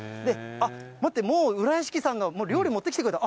待って、もう、浦屋敷さんが料理持ってきてくれた。